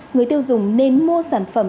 người tiêu dùng nên mua sản phẩm